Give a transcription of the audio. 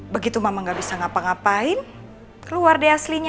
begitu mama gak bisa ngapa ngapain keluar deh aslinya